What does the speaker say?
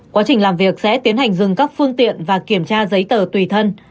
quá trình làm việc sẽ tiến hành dừng các phương tiện và kiểm tra giấy tờ tùy thân